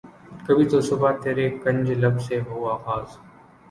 کبھی تو صبح ترے کنج لب سے ہو آغاز